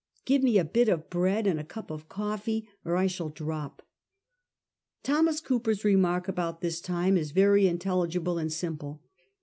Give me a bit of bread and a cup of coffee or I shall drop.' Thomas Cooper's remark about this time is very intelligible and simple.